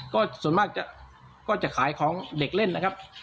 ก็ส่วนมากก็จะขายของเด็กเล่นนะครับ